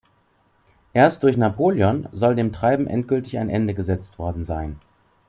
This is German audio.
Erst durch Napoleon soll dem Treiben endgültig ein Ende gesetzt worden sein.